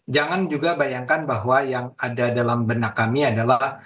jangan juga bayangkan bahwa yang ada dalam benak kami adalah